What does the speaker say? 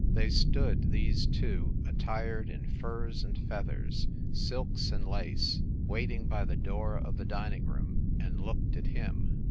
They stood, these two, attired in furs and feathers, silks and lace, waiting by the door of the dining room and looked at him.